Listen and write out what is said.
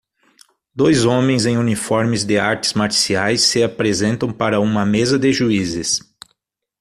Dois homens em uniformes de artes marciais se apresentam para uma mesa de juízes